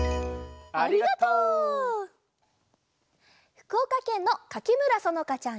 ふくおかけんのかきむらそのかちゃん